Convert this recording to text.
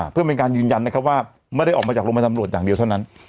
เพื่อเป็นการยืนยันนะครับว่าไม่ได้ออกมาจากโรงพยาบาลตำรวจอย่างเดียวเท่านั้น